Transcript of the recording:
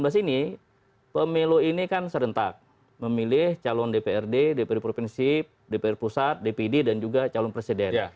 tapi dengan dua ribu sembilan belas ini pemilu ini kan serentak memilih calon dprd dprd provinsi dprd pusat dpd dan juga calon presiden